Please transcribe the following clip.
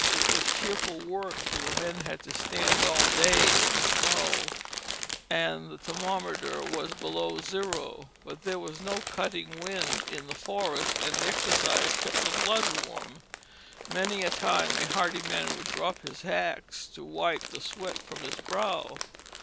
It was cheerful work, though the men had to stand all day in the snow, and the thermometer was below zero. But there was no cutting wind in the forest, and the exercise kept the blood warm. Many a time a hearty man would drop his axe to wipe the sweat from his brow.